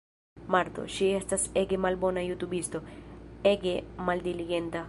Marto. Ŝi estas ege malbona jutubisto, ege maldiligenta